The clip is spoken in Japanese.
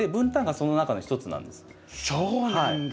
そうなんだ。